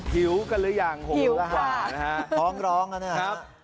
หิวกันหรือยังห่วงกว่าหองร้องกันครับ